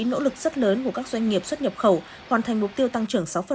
nỗ lực rất lớn của các doanh nghiệp xuất nhập khẩu hoàn thành mục tiêu tăng trưởng sáu